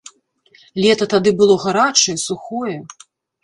Лета тады было гарачае, сухое.